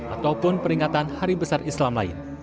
ataupun peringatan hari besar islam lain